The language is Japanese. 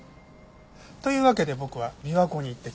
というわけで僕は琵琶湖に行ってきます。